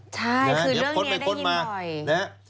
ใช่คือเรื่องนี้ได้ยิ่งบ่อย